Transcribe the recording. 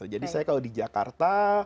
jadi saya kalau di jakarta